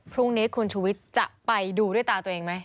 พรุ่งนี้คุณชุวิตจะไปดูด้วยตาตัวเองไหม